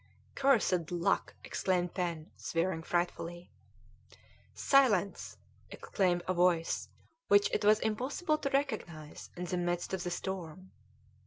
"Cursed luck!" exclaimed Pen, swearing frightfully. "Silence!" exclaimed a voice which it was impossible to recognise in the midst of the storm.